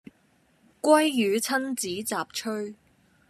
鮭魚親子雜炊